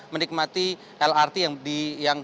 menikmati lrt yang